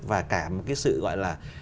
và cả một cái sự gọi là